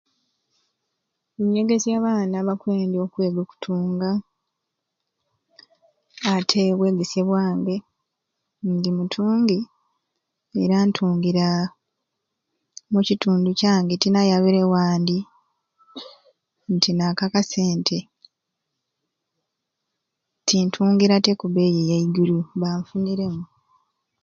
Enyegesya abaana abakwendya okutunga ate obwegesye bwabge ndi mutungi era ntungira mukitundu kyange tinayabire wandi nti naako akasente tintungirate ku beeyi yaiguru MBA nfuniremu